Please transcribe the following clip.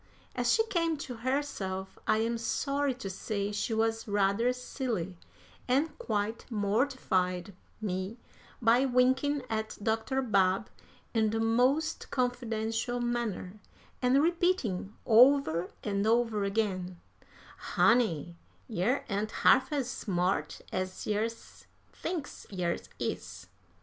As she came to herself I am sorry to say she was rather silly, and quite mortified me by winking at Dr. Babb in the most confidential manner, and repeating, over and over again: "Honey, yer ain't harf as smart as yer thinks yer is!"